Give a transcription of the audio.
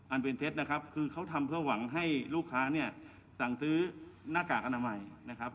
อันเป็นเท็จนะครับคือเขาทำเพื่อหวังให้ลูกค้าเนี่ยสั่งซื้อหน้ากากอนามัยนะครับ